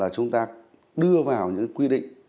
chúng ta đưa vào những quy định